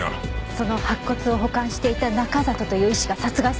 その白骨を保管していた中里という医師が殺害されたわ。